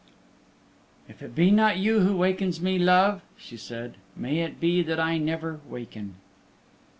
"If it be not you who wakens me, love," she said, "may it be that I never waken."